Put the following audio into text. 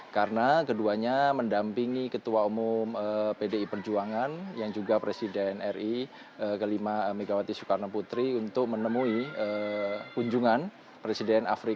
karena keduanya mendampingi ketua umum pdi perjuangan yang juga presiden ri